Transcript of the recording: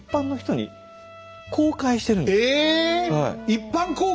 一般公開？